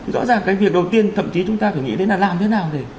rõ ràng cái việc đầu tiên thậm chí chúng ta phải nghĩ đến là làm thế nào để